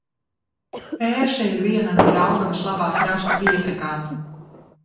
Pērse ir viena no Daugavas labā krasta pietekām.